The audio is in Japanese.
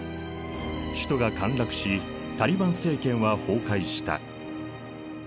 首都が陥落しタリバン政権は崩壊した。